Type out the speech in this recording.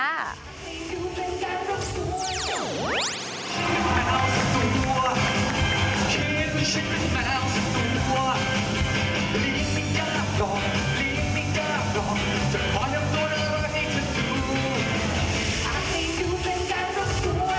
ว่าเพราะแรงกายรับกวนก่อนจะชูนจะมานั่นกัน